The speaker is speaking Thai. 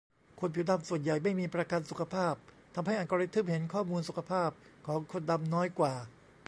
คนผิวดำส่วนใหญ่ไม่มีประกันสุขภาพ ทำให้อัลกอริทึมเห็นข้อมูลสุขภาพของคนดำน้อยกว่า